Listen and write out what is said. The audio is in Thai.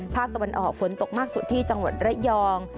ภาคตะวันออกฝนตกมากสุดที่จังหวัดระยอง